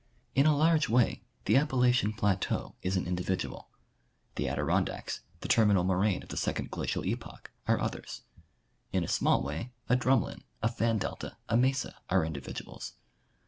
In a large way the Apj)a lachian plateau is an individual ; the Adirondacks, the terminal moraine of the second glacial epoch are others. In a small way, a drumlin, a fan delta, a mesa, are individuals.